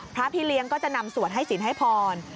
พระพี่เลี้ยงก็จะนำสวดให้สิทธิ์ให้พล